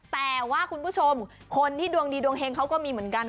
แต่ว่าคุณผู้ชมคนที่ดวงดีดวงเฮงเขาก็มีเหมือนกัน